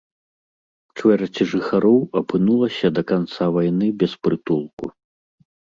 Чвэрць жыхароў апынулася да канца вайны без прытулку.